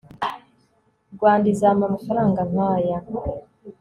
Rwanda izampa amafaranga nkaya